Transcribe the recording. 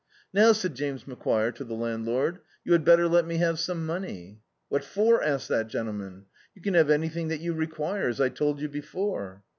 "Now," said James Macquire to the landlord, "you had better let me have some money." "What for?" asked that gentleman; "you can have any thing that you require, as I told you before."